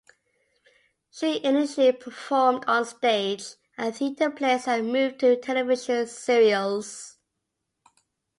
She initially performed on stage and theatre plays and moved to television serials.